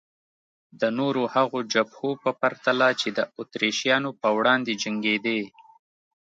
د نورو هغو جبهو په پرتله چې د اتریشیانو په وړاندې جنګېدې.